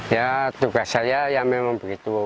ya tugas saya ya memang begitu